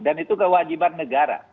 dan itu kewajiban negara